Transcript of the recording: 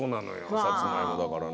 さつまいもだからね。